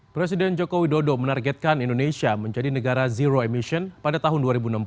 presiden joko widodo menargetkan indonesia menjadi negara zero emission pada tahun dua ribu enam puluh